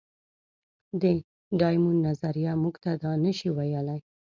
د ډایمونډ نظریه موږ ته دا نه شي ویلی.